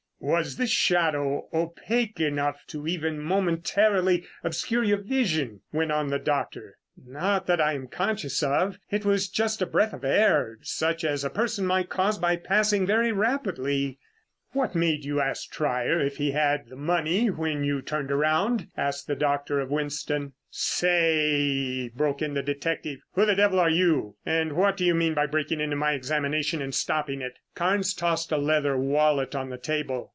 "Was this shadow opaque enough to even momentarily obscure your vision?" went on the doctor. "Not that I am conscious of. It was just a breath of air such as a person might cause by passing very rapidly." "What made you ask Trier if he had the money when you turned around?" asked the doctor of Winston. "Say y y," broke in the detective. "Who the devil are you, and what do you mean by breaking into my examination and stopping it?" Carnes tossed a leather wallet on the table.